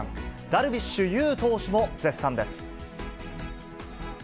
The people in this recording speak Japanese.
ダルビッシュ有投手も絶賛です。